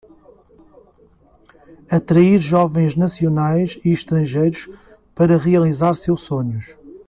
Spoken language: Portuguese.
Atrair jovens nacionais e estrangeiros para realizar seus sonhos